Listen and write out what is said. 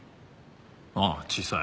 ああ小さい。